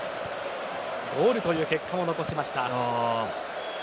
ゴールという結果も残しました。